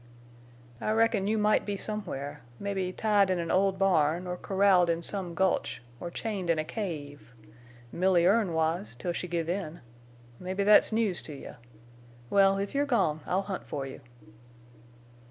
"I reckon you might be somewhere. Mebbe tied in an old barn—or corralled in some gulch—or chained in a cave! Milly Erne was—till she give in! Mebbe that's news to you.... Well, if you're gone I'll hunt for you."